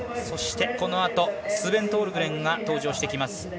そして、このあとスベン・トールグレンが登場してきます。